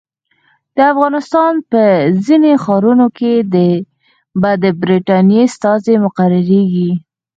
د افغانستان په ځینو ښارونو کې به د برټانیې استازي مقرریږي.